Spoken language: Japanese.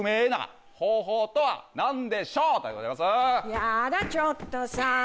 ヤダちょっとさ。